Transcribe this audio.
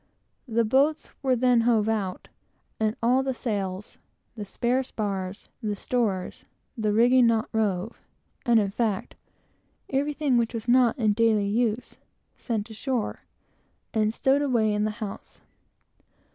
The boats were then hove out, and all the sails, spare spars, the stores, the rigging not rove, and, in fact, everything which was not in daily use, sent ashore, and stowed away in the house.